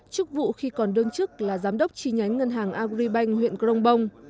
chức vụ khi còn đơn chức là giám đốc chi nhánh ngân hàng agribank huyện grongbong